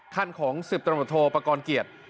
ขั้นของ๑๐ตำรวจโทปกรณ์เกียรติ